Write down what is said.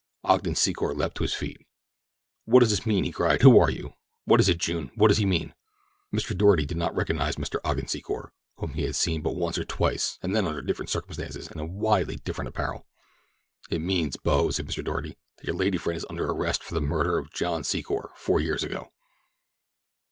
Ogden Secor leaped to his feet. "What does this mean?" he cried. "Who are you? What is it, June? What does he mean?" Mr. Doarty did not recognize Mr. Ogden Secor, whom he had seen but once or twice and then under very different circumstances and in widely different apparel. "It means, bo," said Mr. Doarty, "that your lady friend is under arrest for the murder of John Secor four years ago."